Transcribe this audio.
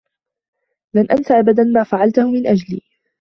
لن أنس أبدا ما فعلته من أجلي.